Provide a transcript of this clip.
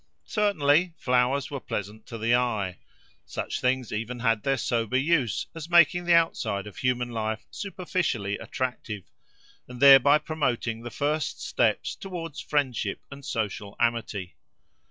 Certainly, flowers were pleasant to the eye. Such things had even their sober use, as making the outside of human life superficially attractive, and thereby promoting the first steps towards friendship and social amity.